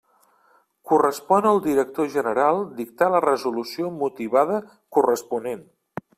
Correspon al director general dictar la resolució motivada corresponent.